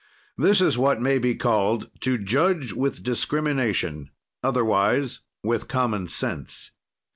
"This is what may be called to judge with discrimination, otherwise, with common sense.